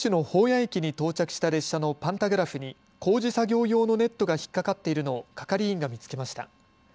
谷駅に到着した列車のパンタグラフに工事作業用のネットが引っかかっているのを係員が見つけました。